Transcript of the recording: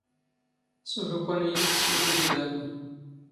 ⵙⵓⵍ ⵓⴽⴰⵏ ⵉⵢⵉ ⵜⵙⵙⵓⵍⵉⴷ ⵉⴷⴰⵎⵎⵏ.